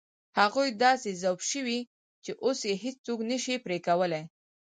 هغوی داسې ذوب شوي چې اوس یې هېڅوک نه شي پرې کولای.